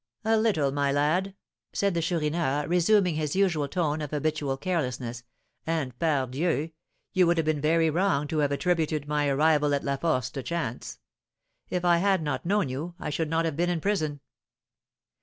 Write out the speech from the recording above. "A little, my lad," said the Chourineur, resuming his usual tone of habitual carelessness; "and, pardieu! you would have been very wrong to have attributed my arrival at La Force to chance. If I had not known you, I should not have been in prison."